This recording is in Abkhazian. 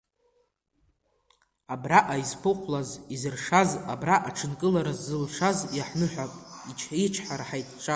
Абраҟа изқәыхәлаз, изыршаз, абра аҽынкылара зылшаз иаҳныҳәап ичҳара ҳаицҿак!